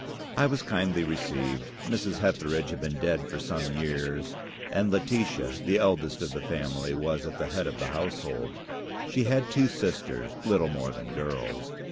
"I was kindly received. Mrs. Hetheridge had been dead for some years, and Laetitia, the eldest of the family, was at the head of the household. She had two sisters, little more than girls.